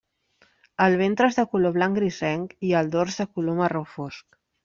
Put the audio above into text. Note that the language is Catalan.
El ventre és de color blanc grisenc i el dors de color marró fosc.